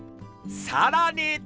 さらに！